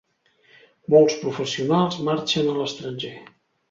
Molts professionals marxen a l'estranger.